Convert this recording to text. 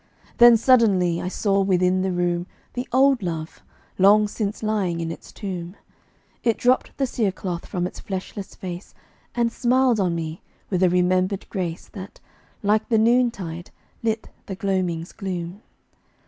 Then suddenly I saw within the room The old love, long since lying in its tomb. It dropped the cerecloth from its fleshless face And smiled on me, with a remembered grace That, like the noontide, lit the gloaming's gloom.